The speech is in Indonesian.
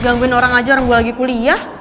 gangguin orang aja orang gue lagi kuliah